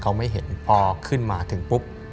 เขาไม่เห็นพอขึ้นมาถึงปุ๊บ